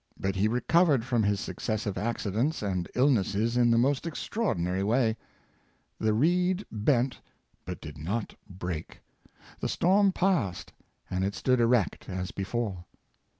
But he recovered from his successive accidents and illnesses in the most extraordi nary way. The reed bent, but did not break; the storm passed, and it stood erect as before.